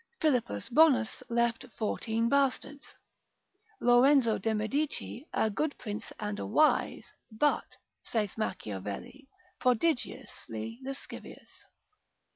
Philippus Bonus left fourteen bastards. Lorenzo de Medici, a good prince and a wise, but, saith Machiavel, prodigiously lascivious.